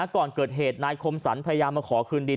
ก่อนเกิดเหตุนายคมสรรพยายามมาขอคืนดี